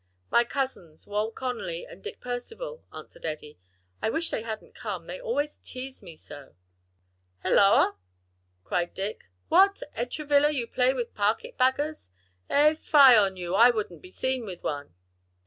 "My cousins, Wal Conly and Dick Percival," answered Eddie. "I wish they hadn't come, they always tease me so." "Hilloa!" cried Dick, "what! Ed Travilla, you play with carpet baggers, eh? fie on you! I wouldn't be seen with one."